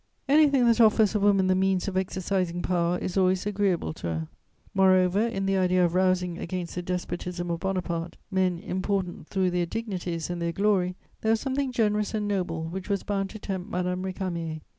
"Anything that offers a woman the means of exercising power is always agreeable to her. Moreover, in the idea of rousing against the despotism of Bonaparte men important through their dignities and their glory there was something generous and noble which was bound to tempt Madame Récamier.